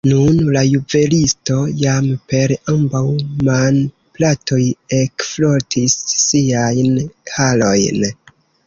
Nun la juvelisto jam per ambaŭ manplatoj ekfrotis siajn harojn.